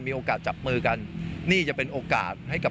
มีโอกาสจับมือกันนี่จะเป็นโอกาสให้กับ